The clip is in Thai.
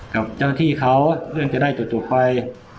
กับเจ้าที่เขาเรื่องจะได้จบไป